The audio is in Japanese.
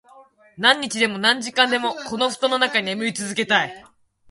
何日でも、何時間でも、この布団の中で眠り続けたい。